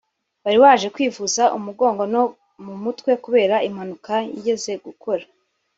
wari waje kwivuza umugongo no mu mutwe kubera impanuka yigeze gukora